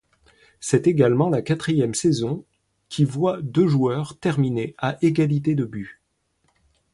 C'est également la quatrième saison qui voit deux joueurs terminer à égalité de buts.